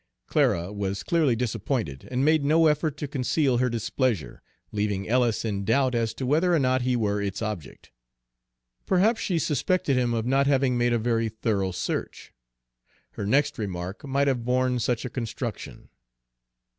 Clara was clearly disappointed, and made no effort to conceal her displeasure, leaving Ellis in doubt as to whether or not he were its object. Perhaps she suspected him of not having made a very thorough search. Her next remark might have borne such a construction.